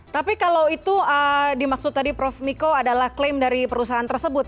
tapi kalau itu dimaksud tadi prof miko adalah klaim dari perusahaan tersebut